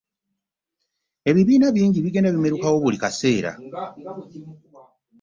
Ebibiina bingi bigenda bimerukawo buli kiseera.